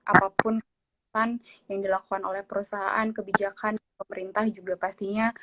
apapun keputusan yang dilakukan oleh perusahaan kebijakan pemerintah juga pastinya